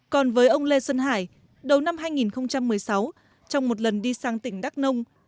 còn với ông lê xuân hải đầu năm hai nghìn một mươi sáu trong một lần đi sang tỉnh đắk nông